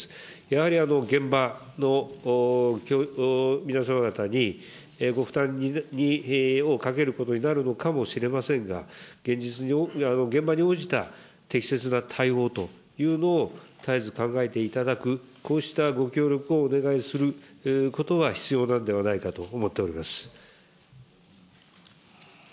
やはり現場の皆様方に、ご負担をかけることになるのかもしれませんが、現場に応じた適切な対応というのを絶えず考えていただく、こうしたご協力をお願いすることは必要なんではないかと思っております。